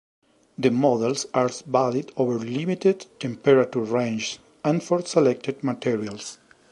The models are valid over limited temperature ranges and for selected materials.